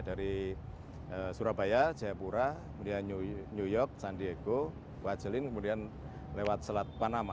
dari surabaya jayapura kemudian new york san diego wajelin kemudian lewat selat panama